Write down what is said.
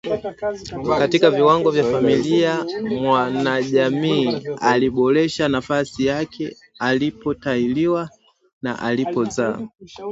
Katika kiwango cha familia, mwanajamii aliboresha nafasi yake alipotahiriwa au alipozaa